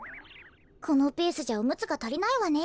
このペースじゃおむつがたりないわね。